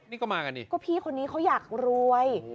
นี่ก็มากันดิก็พี่คนนี้เขาอยากรวย